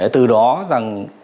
từ đó là